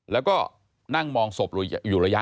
แล้วก็นั่งมองศพอยู่ระยะ